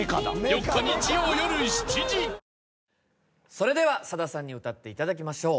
それではさださんに歌っていただきましょう。